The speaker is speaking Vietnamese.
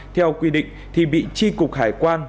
theo quy định thì bị tri cục hải quan